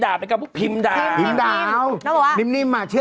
ทดลองงานก่อน๓เดือนว่าด่าจริงไหมลองงานก่อนใช่